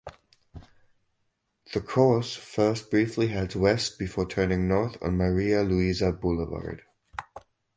The course first briefly heads west before turning north on Maria Luiza Boulevard.